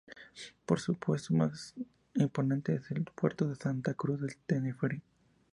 Su puerto más importante es el Puerto de Santa Cruz de Tenerife.